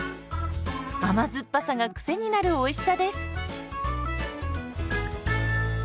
甘酸っぱさがクセになるおいしさです。